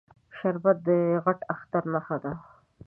شربت د غټ اختر نښه ده